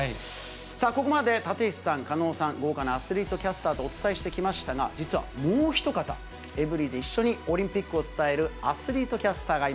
ここまで立石さん、狩野さん、豪華なアスリートキャスターとお伝えしてきましたが、実はもうひと方、エブリィで一緒にオリンピックを伝えるアスリートキャスターがい